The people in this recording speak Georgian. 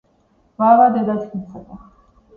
ვავა დედა ჩქიმ ცოდა